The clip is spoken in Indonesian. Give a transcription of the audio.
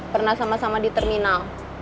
pernah sama sama di terminal